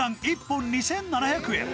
本２７００円